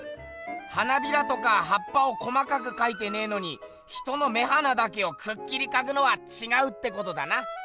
花びらとかはっぱを細かくかいてねえのに人の目鼻だけをくっきりかくのはちがうってことだな。